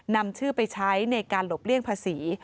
นำชื่อไปใช้ในการหลบเลี่ยงภาษี